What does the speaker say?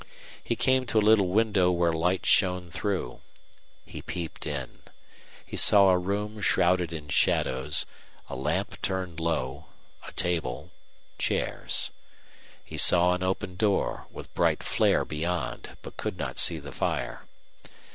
He came to a little window where light shone through. He peeped in. He saw a room shrouded in shadows, a lamp turned low, a table, chairs. He saw an open door, with bright flare beyond, but could not see the fire.